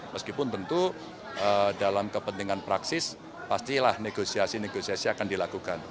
meskipun tentu dalam kepentingan praksis pastilah negosiasi negosiasi akan dilakukan